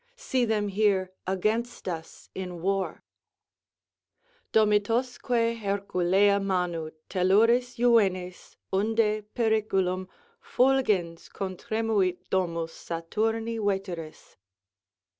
See them here against us in war: Domitosque Herculeâ manu Telluris juvenes, unde periculum Fulgens contre mu it domus Saturai veteris.